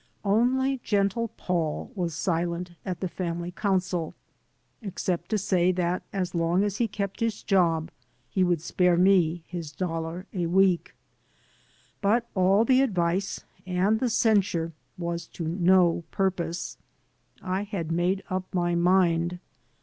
Only gentle Paul was silent at the family council — except to say that as long as he kept his job he would spare me his dollar a week. But all the advice and the censure was to no purpose. I had made up my mind.